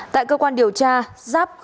tại cơ quan điều tra giáp khai thông tin